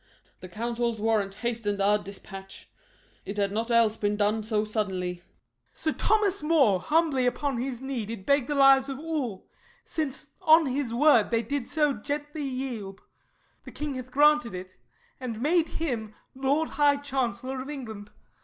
The Councils' warrant hastened our dispatch; It had not else been done so suddenly. SURREY. Sir Thomas More humbly upon his knee Did beg the lives of all, since on his word They did so gently yield: the king hath granted it, And made him Lord High Chancellor of England.